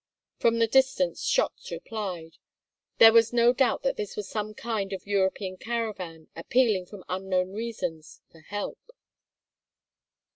From the distance shots replied. There was no doubt that this was some kind of European caravan, appealing, from unknown reasons, for help.